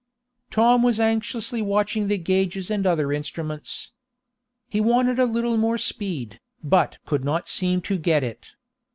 Tom was anxiously watching the gages and other instruments. He wanted a little more speed, but could not seem to get it.